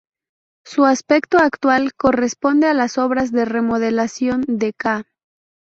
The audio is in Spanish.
Su aspecto actual corresponde a las obras de remodelación de ca.